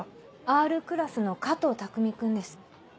Ｒクラスの加藤匠君です。